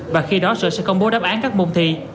và khi đó sở sẽ công bố đáp án các môn thi